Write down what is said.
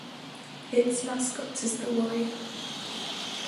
Its mascot is the Warrior.